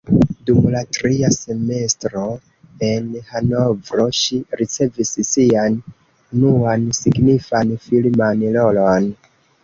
Dum la tria semestro en Hanovro ŝi ricevis sian unuan signifan filman rolon.